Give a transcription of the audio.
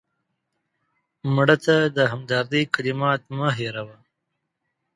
مړه ته د همدردۍ کلمات مه هېروه